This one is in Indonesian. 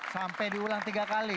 sampai diulang tiga kali